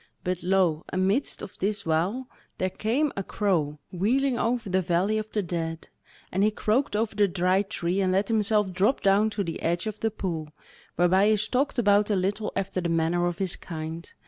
But lo amidst of this while, there came a crow wheeling over the valley of the dead, and he croaked over the Dry Tree, and let himself drop down to the edge of the pool, whereby he stalked about a little after the manner of his kind.